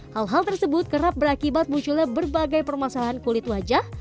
hal hal tersebut kerap berakibat munculnya berbagai permasalahan kulit wajah